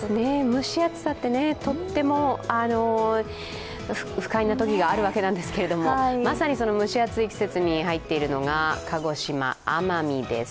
蒸し暑さってとっても不快なときがあるわけですけれども、まさにその蒸し暑い季節に入っているのが鹿児島・奄美です。